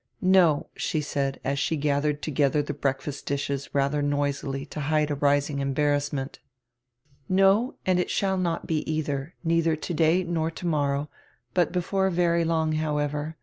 "No," she said, as she gathered together the breakfast dishes rather noisily to hide a rising embarrassment, "no, and it shall not be either, neither today nor tomorrow^, but before very long, however.